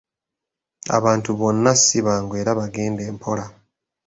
Abantu bonna si bangu era bagende mpola.